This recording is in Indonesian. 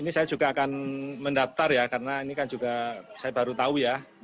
ini saya juga akan mendaftar ya karena ini kan juga saya baru tahu ya